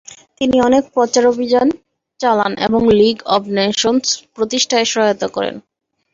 তিনি অনেক প্রচারাভিযান চালান এবং লিগ অভ নেশনস প্রতিষ্ঠায় সহায়তা করেন।